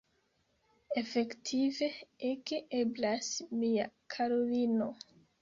Efektive, ege eblas, mia karulino.